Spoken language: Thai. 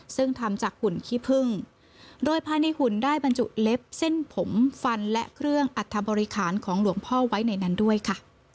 ซึ่งทำจากหุ่นขี้พึ่งโดยภายในหุ่นได้บรรจุเล็บเส้นผมฟันและเครื่องอัธบริคารของหลวงพ่อไว้ในนั้นด้วยค่ะ